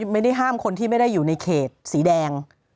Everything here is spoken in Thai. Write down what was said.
ไม่ได้ห้ามคนที่ไม่ได้อยู่ในเขตสีแดง